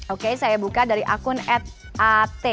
oke saya buka dari akun at